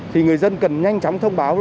thì người dân cần nhanh chóng thông báo